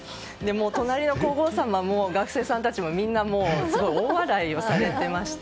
隣の皇后さまも学生さんたちもみんなすごい大笑いされていまして。